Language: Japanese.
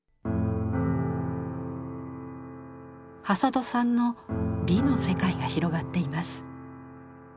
挾土さんの美の世界が広がっています。